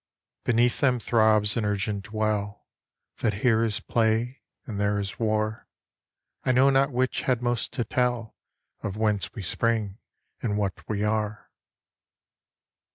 Beneath them throbs an urgent well, That here is play, and there is war. I know not which had most to tell Of whence we spring and what we are.